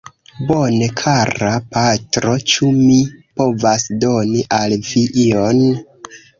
Bone, kara patro; ĉu mi povas doni al vi ion?